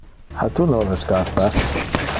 Ha tu nove scarpas?